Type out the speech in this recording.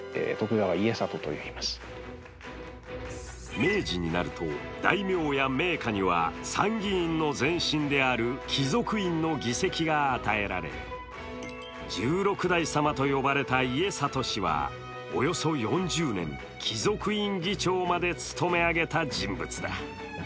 明治になると大名や名家には参議院の前身である貴族院の議席が与えられ十六代様と呼ばれた家達氏はおよそ４０年、貴族院議長まで務め上げた人物だ。